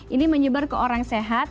ini menyebar ke orang sehat